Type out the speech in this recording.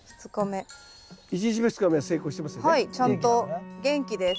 ちゃんと元気です。